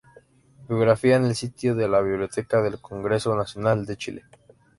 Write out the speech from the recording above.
Biografía en el sitio de la Biblioteca del Congreso Nacional de Chile.